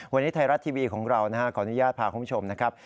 วันนี้ไทยรัฐทีวีของเราขออนุญาตพาคุณผู้ชมนะครับ